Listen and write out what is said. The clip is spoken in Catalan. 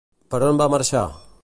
Per on va marxar?